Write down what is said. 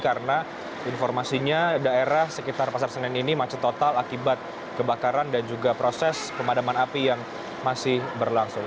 karena informasinya daerah sekitar pasar senen ini macet total akibat kebakaran dan juga proses pemadaman api yang masih berlangsung